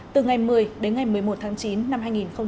từ ngày một mươi đến ngày một mươi một tháng chín năm hai nghìn hai mươi